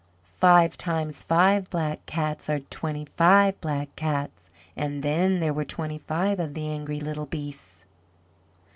"Five times five Black Cats are twenty five Black Cats." And then there were twenty five of the angry little beasts.